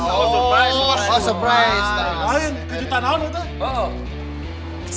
kejutan apa tuh